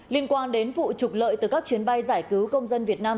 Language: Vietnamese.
liên quan đến vụ trục lợi từ các chuyến bay giải cứu công dân việt nam